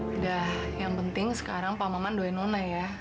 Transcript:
udah yang penting sekarang pak maman doain nona ya